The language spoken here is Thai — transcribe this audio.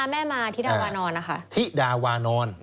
แม่มาที่ดาวานอน